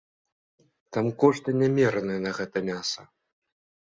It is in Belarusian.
Там кошты нямераныя на гэтае мяса.